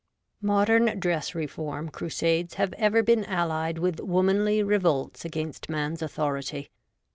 MODERN dress reform crusades have ever been allied with womanly revolts against man's authority.